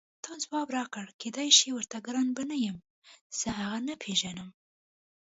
تا ځواب راکړ کېدای شي ورته ګران به یم زه هغه نه پېژنم.